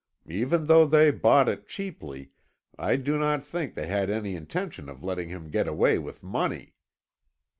Even though they bought it cheaply, I do not think they had any intention of letting him get away with money.